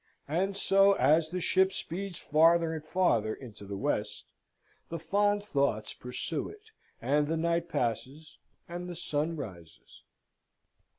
And so, as the ship speeds farther and farther into the West, the fond thoughts pursue it; and the night passes, and the sun rises.